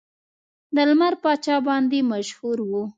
د لمر پاچا باندې مشهور و.